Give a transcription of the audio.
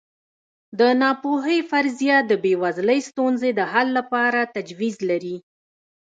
د ناپوهۍ فرضیه د بېوزلۍ ستونزې د حل لپاره تجویز لري.